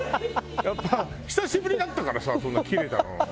やっぱ久しぶりだったからさそんな切れたの。